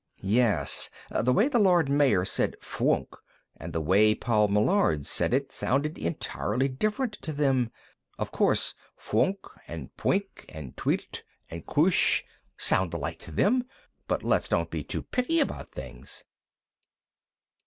Yes. The way the Lord Mayor said fwoonk and the way Paul Meillard said it sounded entirely different to them. Of course, fwoonk and pwink and tweelt and kroosh sounded alike to them, but let's don't be too picky about things.